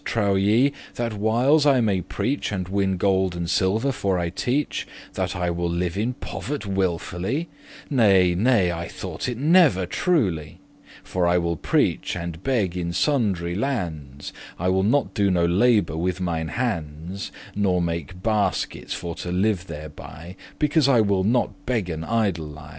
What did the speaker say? trowe ye, that whiles I may preach And winne gold and silver for* I teach, *because That I will live in povert' wilfully? Nay, nay, I thought it never truely. For I will preach and beg in sundry lands; I will not do no labour with mine hands, Nor make baskets for to live thereby, Because I will not beggen idlely.